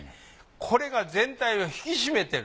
これが全体を引き締めてる。